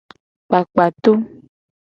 Kpakpato.